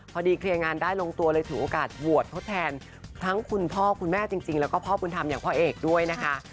เคลียร์งานได้ลงตัวเลยถือโอกาสบวชทดแทนทั้งคุณพ่อคุณแม่จริงแล้วก็พ่อบุญธรรมอย่างพ่อเอกด้วยนะคะ